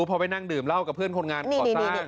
พอไปนั่งดื่มเหล้ากับเพื่อนคนงานก่อสร้าง